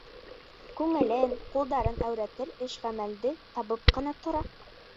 Күңелен, ҡулдарын әүрәтер эш-ғәмәлде табып ҡына тора.